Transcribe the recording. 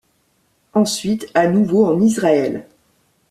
Ensuite, à nouveau en Israël.